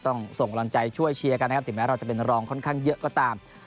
ส่งกำลังใจช่วยเชียร์กันนะครับถึงแม้เราจะเป็นรองค่อนข้างเยอะก็ตาม